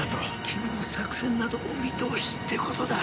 君の作戦などお見通しってことだ。